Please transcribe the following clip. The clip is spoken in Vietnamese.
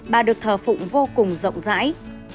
bà được thờ phụng vô cùng rộng rãi